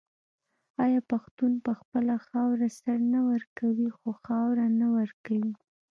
آیا پښتون په خپله خاوره سر نه ورکوي خو خاوره نه ورکوي؟